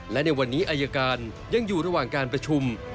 และในวันนี้อายการยังอยู่ระหว่างการประชุม